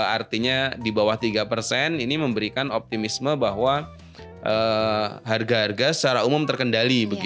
artinya di bawah tiga persen ini memberikan optimisme bahwa harga harga secara umum terkendali